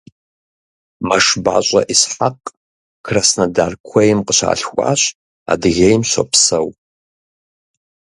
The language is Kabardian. МэшбащӀэ Исхьэкъ Краснодар куейм къыщалъхуащ, Адыгейм щопсэу.